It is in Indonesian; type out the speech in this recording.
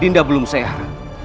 dinda belum sehat